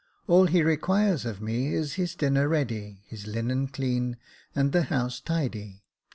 All he requires of me his dinner ready, his linen clean, and the house tidy.